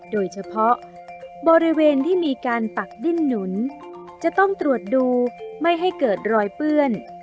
โดยเฉพาะบริเวณที่มีการปักดิ้นหนุนจะต้องตรวจดูไม่ให้เกิดรอยเปื้อน